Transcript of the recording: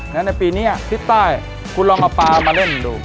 ในปีนี้ทิศใต้คุณลองเอาปลามาเล่นดู